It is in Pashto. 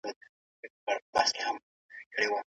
که ئې د نکاح پرته بل عمل شرط کړی وو.